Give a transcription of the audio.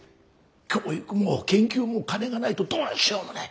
教育も研究も金がないとどうしようもない。